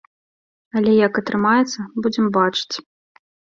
Але як атрымаецца, будзем бачыць.